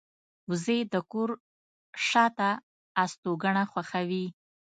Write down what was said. وزې د کور شاته استوګنه خوښوي